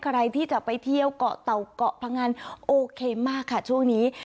ใครที่จะไปเที่ยวเกาะเต่าเกาะพงันโอเคมากค่ะช่วงนี้